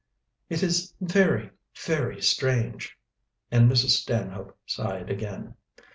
"It is very, very strange," and Mrs. Stanhope sighed again.